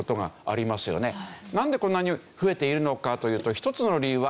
なんでこんなに増えているのかというと一つの理由は。